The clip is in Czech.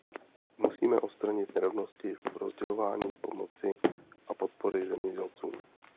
Musíme odstranit nerovnosti v rozdělování pomoci a podpory zemědělcům.